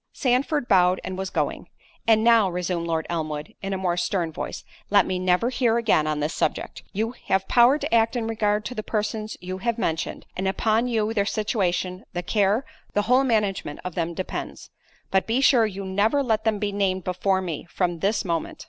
Sandford bowed and was going. "And now," resumed Lord Elmwood, in a more stern voice, "let me never hear again on this subject. You have power to act in regard to the persons you have mentioned; and upon you their situation, the care, the whole management of them depends—but be sure you never let them be named before me, from this moment."